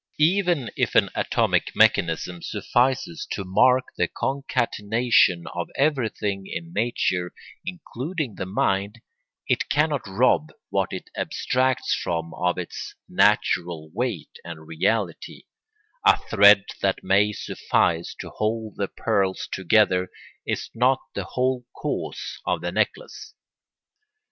Even if an atomic mechanism suffices to mark the concatenation of everything in nature, including the mind, it cannot rob what it abstracts from of its natural weight and reality: a thread that may suffice to hold the pearls together is not the whole cause of the necklace.